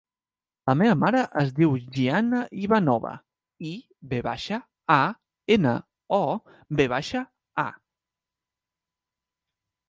La meva mare es diu Gianna Ivanova: i, ve baixa, a, ena, o, ve baixa, a.